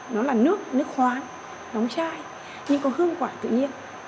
nó là nước nước khoáng nóng chai nhưng có hương quả tự nhiên